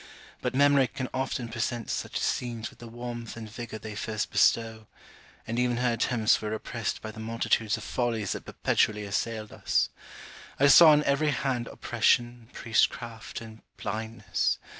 But memory can often present such scenes with the warmth and vigour they first bestow; and even her attempts were repressed by the multitudes of follies that perpetually assailed us. I saw on every hand oppression, priestcraft, and blindness.